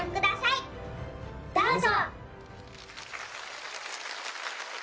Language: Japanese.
どうぞ。